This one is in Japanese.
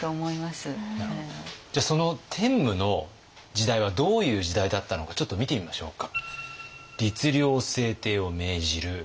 じゃあその天武の時代はどういう時代だったのかちょっと見てみましょうか。